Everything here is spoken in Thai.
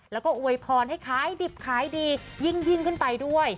แล้วก็อวยพรให้ขายดิบขายดียิ่งขึ้นไปด้วย